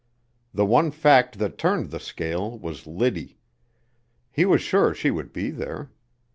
The one fact that turned the scale was Liddy. He was sure she would be there.